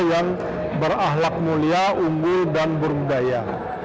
yang berahlak mulia umbul dan berbudaya